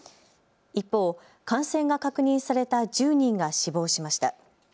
一方、感染が確認された１０人が死亡しました。